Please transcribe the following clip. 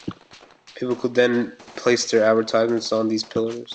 People could then place their advertisements on these pillars.